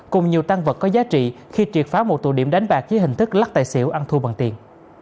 cùng nhiều tăng vật có giá trị khi triệt phá một tụ điểm đánh bạc dưới hình thức lắc tài xỉu ăn thu bằng tiền